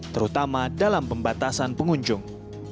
terutama dalam pembatasan pengunjung